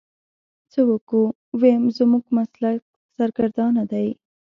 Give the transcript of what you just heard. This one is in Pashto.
څه وکو ويم زموږ مسلک سرګردانه دی.